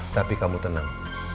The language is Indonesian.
tapi kamu tenang